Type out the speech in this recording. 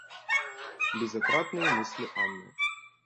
Безотрадные мысли Анны.